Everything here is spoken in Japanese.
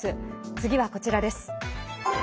次はこちらです。